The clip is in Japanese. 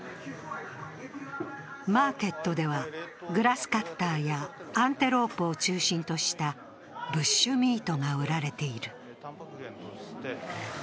マーケットではグラスカッターやアンテロープを中心としたブッシュミートが売られている。